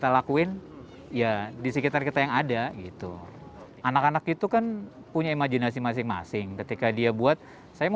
seperti bekerja sama dalam memandukan warna bersama teman satu tim